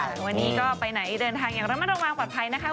วันนี้ก็ไปไหนเดินทางอย่างระมัดระวังปลอดภัยนะคะ